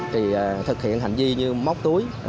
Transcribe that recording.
thì thực hiện hành vi như móc túi